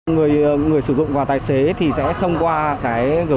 một dịch vụ gọi xe khi đã uống rượu bia có mức giá ba trăm linh đồng một lượt